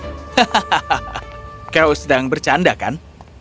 hahaha kau sedang bercanda kan